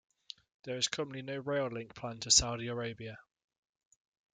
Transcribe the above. There is currently no rail link planned to Saudi Arabia.